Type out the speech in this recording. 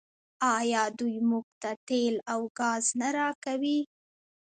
آیا دوی موږ ته تیل او ګاز نه راکوي؟